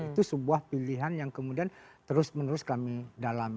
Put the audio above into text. itu sebuah pilihan yang kemudian terus menerus kami dalami